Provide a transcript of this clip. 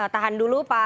tahan dulu pak